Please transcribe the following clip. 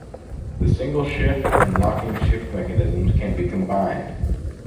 The single shift and locking shift mechanisms can be combined.